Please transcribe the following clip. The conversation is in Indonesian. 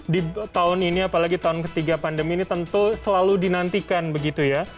di tahun ini apalagi tahun ketiga pandemi ini tentu selalu dinantikan begitu ya